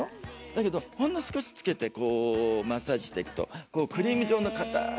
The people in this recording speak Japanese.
だけどほんの少しつけてこうマッサージしていくとクリーム状のかたい